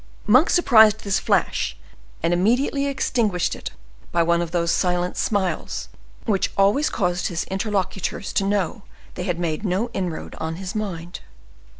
Monk surprised this flash, and immediately extinguished it by one of those silent smiles which always caused his interlocutors to know they had made no inroad on his mind.